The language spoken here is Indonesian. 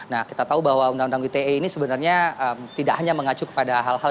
nah kita tahu bahwa undang undang ite ini sebenarnya tidak hanya mengacu kepada hal hal